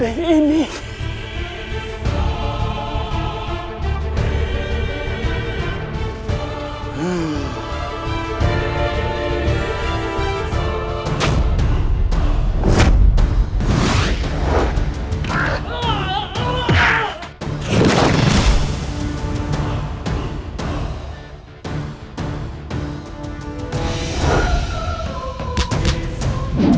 kami akan puff